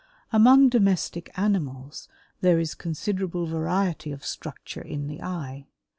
Among domestic animals there is considerable variety of structure in the eye.